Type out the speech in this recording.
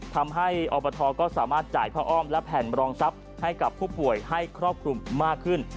ทำให้อบทก็สามารถจ่ายผ้าอ้อมและแผ่นรองทรัพย์ให้กับผู้ป่วยให้ครอบคลุมมากขึ้น